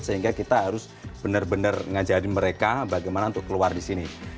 sehingga kita harus benar benar ngajari mereka bagaimana untuk keluar di sini